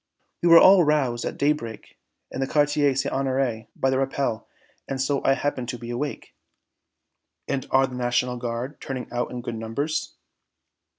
"We were all roused at daybreak in the Quartier St. Honoré by the rappel, and so I happen to be awake." "And are the National Guard turning out in good numbers?"